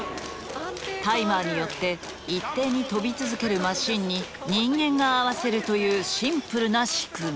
タイマーによって一定に跳び続けるマシンに人間が合わせるというシンプルな仕組み。